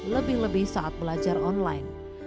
lebih lebih saat belajar online